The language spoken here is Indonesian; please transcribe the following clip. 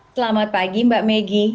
selamat pagi mbak megi